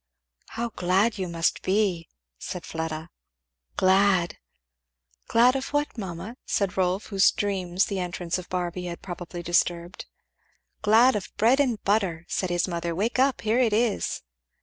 "How glad you must be!" said Fleda. "Glad! " "Glad of what, mamma?" said Rolf, whose dreams the entrance of Barby had probably disturbed. "Glad of bread and butter," said his mother; "wake up here it is."